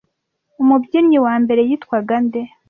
Umubyinyi wa mbere yitwaga nde?